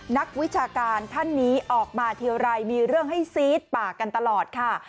นักวิชาการท่านนี้ออกมาทีไรมีเรื่องให้ซี๊ดปากกันตลอดค่ะ